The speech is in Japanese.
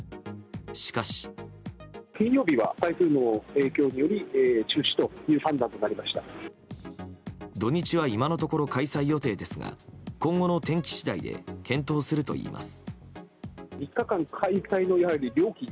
しかし。土日は今のところ開催予定ですが今後の天気次第で検討するといいます。